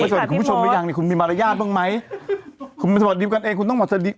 หรรับคคุณผู้ชมอีกอย่างเนี่ยคุณยังมีมารยาทบ้างไหม